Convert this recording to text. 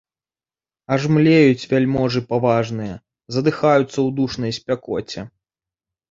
Аж млеюць вяльможы паважныя, задыхаюцца ў душнай спякоце.